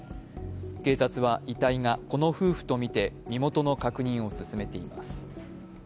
警察は遺体がこの夫婦とみて身元の確認を進めています。